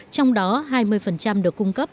trong đó hai mươi được cung cấp